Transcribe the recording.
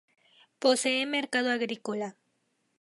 Posee mercado agrícola.